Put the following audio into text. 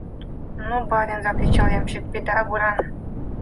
«Ну, барин, – закричал ямщик, – беда: буран!..»